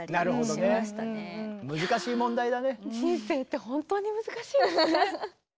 人生って本当に難しいですね。